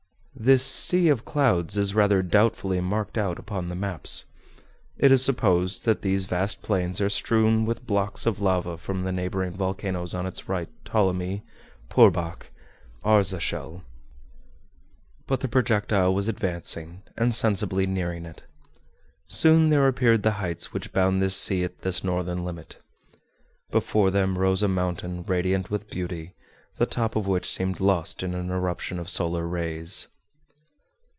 This "Sea of Clouds" is rather doubtfully marked out upon the maps. It is supposed that these vast plains are strewn with blocks of lava from the neighboring volcanoes on its right, Ptolemy, Purbach, Arzachel. But the projectile was advancing, and sensibly nearing it. Soon there appeared the heights which bound this sea at this northern limit. Before them rose a mountain radiant with beauty, the top of which seemed lost in an eruption of solar rays.